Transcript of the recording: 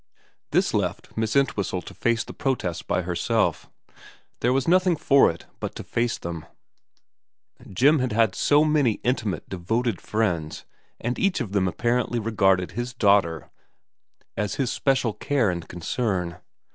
This left Miss Entwhistle to face the protests by herself. There was nothing for it but to face them. Jim had had so many intimate, devoted friends, and each of them apparently regarded his daughter as his special care and concern.